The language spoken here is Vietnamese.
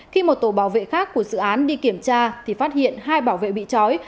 khi một tổ bảo vệ khác của dự án đi kiểm tra thì phát hiện hai bảo vệ bị chói